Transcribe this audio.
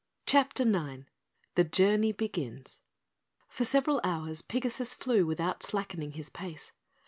CHAPTER 9 The Journey Begins For several hours Pigasus flew without slackening his pace.